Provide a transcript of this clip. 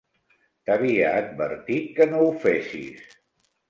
T'havia advertit que no ho fessis.